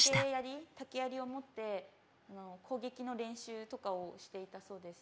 竹やりを持って攻撃の練習とかをしていたそうです。